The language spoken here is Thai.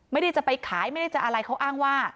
ไม่ได้จะไปขายไม่ได้จะอะไรเขาอ้างว่า